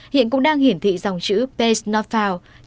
hiện cũng đang hiển thị trong trang chính thức